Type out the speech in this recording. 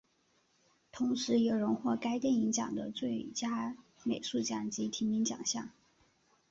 同时也荣获该电影奖的最佳美术奖及提名奖项。